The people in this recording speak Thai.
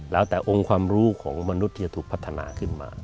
แล้วแต่องค์ความรู้ของมนุษย์จะถูกพัฒนาขึ้นมา